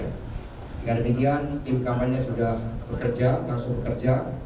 dengan demikian tim kamarnya sudah bekerja langsung bekerja